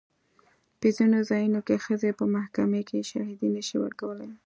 په ځینو ځایونو کې ښځې په محکمې کې شاهدي نه شي ورکولی.